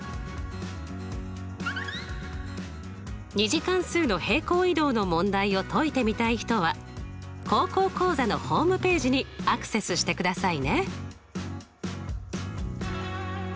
２次関数の平行移動の問題を解いてみたい人は「高校講座」のホームページにアクセスしてくださいね。